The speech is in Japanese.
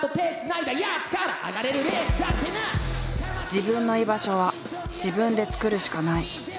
自分の居場所は自分で作るしかない。